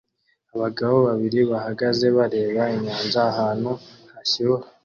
Abagabo babiri bahagaze bareba inyanja ahantu hashyuha